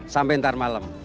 sampai ntar malem